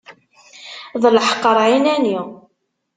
D leḥqer ɛinani.